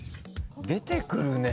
出てくるね。